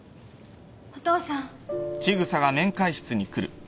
・お父さん。